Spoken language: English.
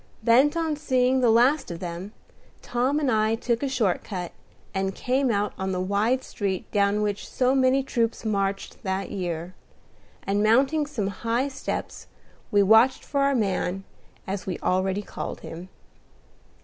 Bent on seeing the last of them, Tom and I took a short cut, and came out on the wide street down which so many troops marched that year; and, mounting some high steps, we watched for our man, as we already called him.